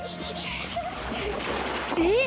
えっ！